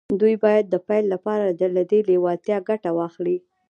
دوی باید د پیل لپاره له دې لېوالتیا ګټه واخلي